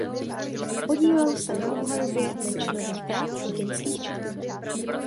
Podílel se na obhajobě menšinových práv vídeňských Čechů.